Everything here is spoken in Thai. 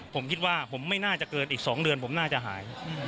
ผมคิดว่าผมไม่น่าจะเกินอีก๒เดือนผมน่าจะหาย